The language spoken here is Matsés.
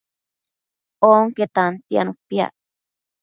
Onque tantianu piac